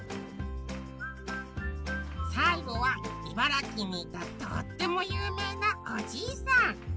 さいごは茨城にいたとってもゆうめいなおじいさん。